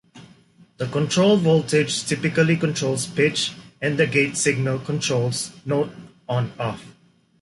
The control voltage typically controls pitch and the gate signal controls note on-off.